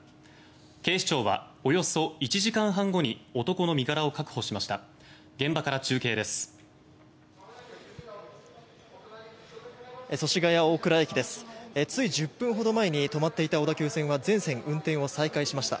警視庁はおよそ１時間半後に男の身柄を確保しました。